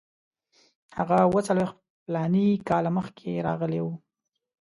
هغه اوه څلوېښت فلاني کاله مخکې راغلی وو.